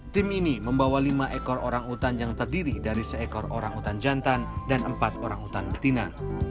tim ini membawa lima ekor orang utan yang terdiri dari seekor orang utan jantan dan empat orang utan betina